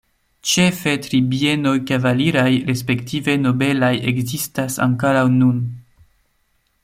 Ĉefe tri bienoj kavaliraj respektive nobelaj ekzistas ankoraŭ nun.